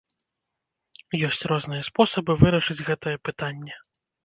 Ёсць розныя спосабы вырашыць гэтае пытанне.